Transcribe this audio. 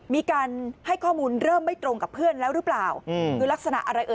มีการให้ข้อมูลเริ่มไม่ตรงกับเพื่อนแล้วหรือเปล่า